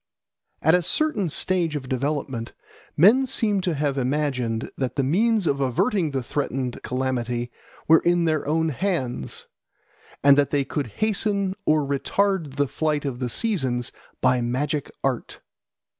At a certain stage of development men seem to have imagined that the means of averting the threatened calamity were in their own hands, and that they could hasten or retard the flight of the seasons by magic art.